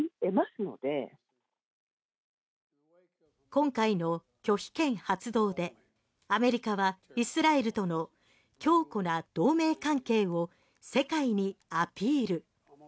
今回の拒否権発動でアメリカはイスラエルとの強固な同盟関係を世界にアピール。